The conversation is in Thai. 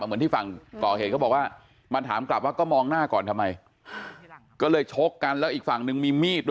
เหมือนที่ฝั่งก่อเหตุเขาบอกว่ามาถามกลับว่าก็มองหน้าก่อนทำไมก็เลยชกกันแล้วอีกฝั่งนึงมีมีดด้วย